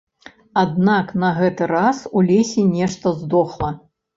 Аднак на гэты раз у лесе нешта здохла.